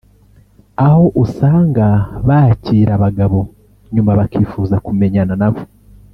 aho usanga bakira abagabo nyuma bakifuza kumenyana nabo